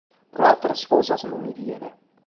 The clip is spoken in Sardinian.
Pro áteras cosas non mi bient.